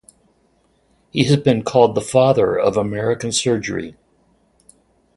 He has been called the father of American surgery.